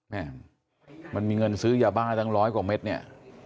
แม่มันมีเงินซื้อยาบ้าตั้งร้อยกว่าเม็ดเนี่ย